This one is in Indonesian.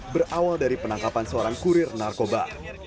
berawal dari penangkapan seorang kurir narkoba